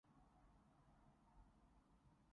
看了很舒壓